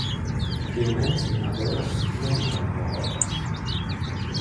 Kiu mem sin adoras, nenion valoras.